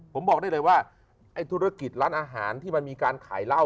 ผมบอกได้เลยว่าไอ้ธุรกิจร้านอาหารที่มันมีการขายเหล้า